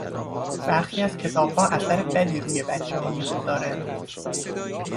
برخی از کتابها اثر بدی روی بچهها می گذارند.